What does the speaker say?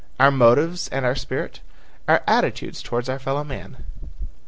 Our motives and our spirit? Our attitude toward our fellow men?